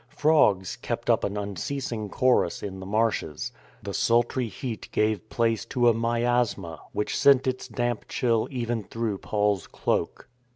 Frogs kept up an unceasing chorus in the marshes. The sultry heat gave place to a miasma, which sent its damp chill even through Paul's cloak.